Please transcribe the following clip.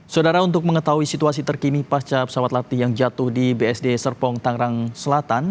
saudara untuk mengetahui situasi terkini pasca pesawat latih yang jatuh di bsd serpong tangerang selatan